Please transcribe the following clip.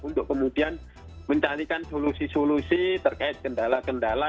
untuk kemudian mencarikan solusi solusi terkait kendala kendala